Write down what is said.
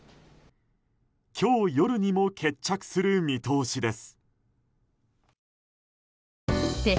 今日夜にも決着する見通しです。